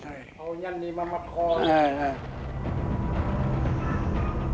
เอ้าหง่านด้วยมัดหมดคอครับ